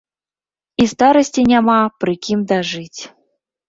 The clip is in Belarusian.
І старасці няма пры кім дажыць!